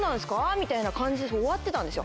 みたいな感じで終わってたんですよ。